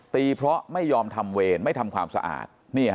เพราะไม่ยอมทำเวรไม่ทำความสะอาด